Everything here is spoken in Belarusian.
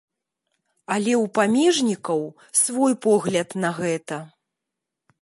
Але ў памежнікаў свой погляд на гэта.